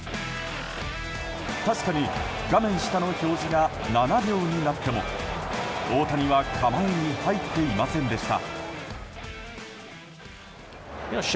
確かに画面下の表示が７秒になっても大谷は構えに入っていませんでした。